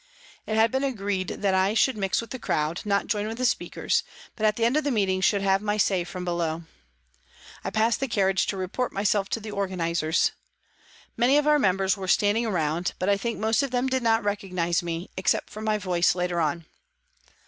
It had been agreed that I should mix with the crowd, not join with the speakers, but at the end of the meeting should have my say from below. I passed the carriage to report myself to the organisers. Many of our members were standing around, but I think most of them did not recognise me, except from my voice later on.